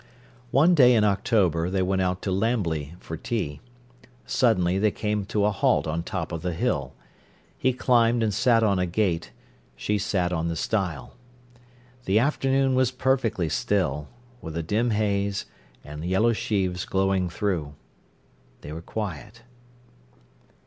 One day in October they went out to Lambley for tea. Suddenly they came to a halt on top of the hill. He climbed and sat on a gate, she sat on the stile. The afternoon was perfectly still, with a dim haze, and yellow sheaves glowing through. They were quiet.